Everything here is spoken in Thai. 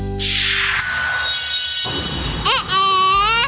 ที่พักหลักร้อยของอร่อยหลักสิบ